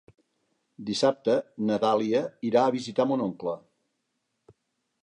Dissabte na Dàlia irà a visitar mon oncle.